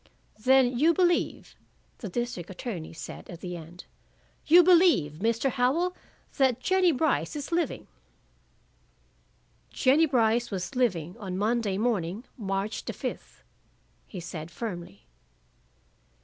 "Then you believe," the district attorney said at the end, "you believe, Mr. Howell, that Jennie Brice is living?" "Jennie Brice was living on Monday morning, March the fifth," he said firmly.